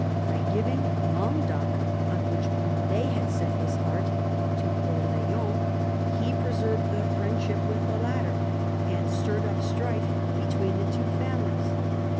By giving Languedoc, on which Cond^ had set his heart, to Orleans, he preserved the friendship of the latter and stirred up strife between the two families.